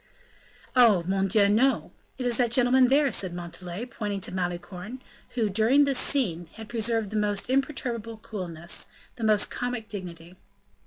"Oh! mon Dieu! no! it is that gentleman there," said Montalais, pointing to Malicorne, who, during this scene, had preserved the most imperturbable coolness, and the most comic dignity.